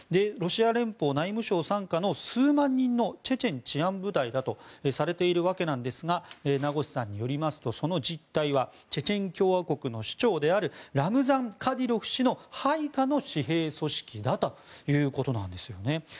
ロシア連邦内務省傘下の数万人のチェチェン治安部隊だとされているわけなんですが名越さんによりますとその実態はチェチェン共和国の首長であるラムザン・カディロフ氏の配下の私兵組織だということなんですよね。